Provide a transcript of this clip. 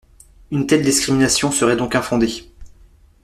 Une telle discrimination serait donc infondée.